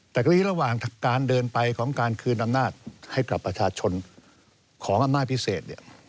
แต่ทีนี้ระหว่างการเดินไปของการคืนอำนาจให้กับประชาชนของอำนาจพิเศษเนี่ย